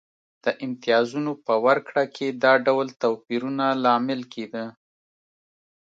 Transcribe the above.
د امتیازونو په ورکړه کې دا ډول توپیرونه لامل کېده.